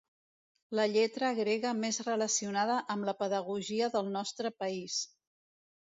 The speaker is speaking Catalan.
La lletra grega més relacionada amb la pedagogia del nostre país.